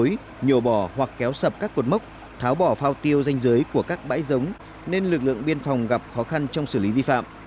đối tượng đã lợi dụng đêm tối nhổ bỏ hoặc kéo sập các cột mốc tháo bỏ phao tiêu danh giới của các bãi giống nên lực lượng biên phòng gặp khó khăn trong xử lý vi phạm